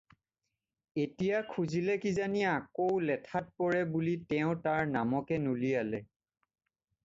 এতিয়া খুঁজিলে কিজানি আকৌ লেঠাত পৰে বুলি তেওঁ তাৰ নামকে নুলিয়ালে।